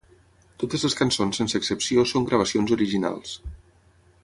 Totes les cançons sense excepció són gravacions originals.